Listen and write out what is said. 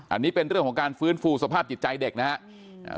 อันนี้เป็นเรื่องของการฟื้นฟูสภาพจิตใจเด็กนะครับ